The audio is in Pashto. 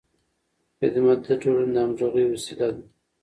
خدمت د ټولنې د همغږۍ وسیله ده.